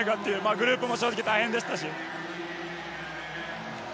グループも正直、大変でしたし。